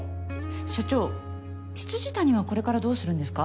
社長未谷はこれからどうするんですか？